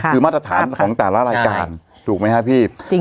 คือมาตรฐานของแต่ละรายการถูกไหมครับพี่